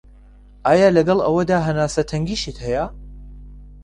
ئایا لەگەڵ ئەوەدا هەناسه تەنگیشت هەیە؟